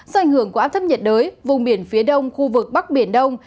do ảnh hưởng của áp thấp nhiệt đới vùng biển phía đông khu vực bắc biển đông